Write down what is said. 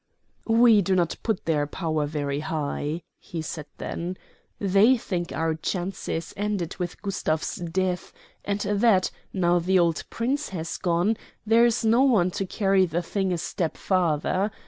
"We do not put their power very high," he said then. "They think our chances ended with Gustav's death, and that, now the old Prince has gone, there is no one to carry the thing a step farther.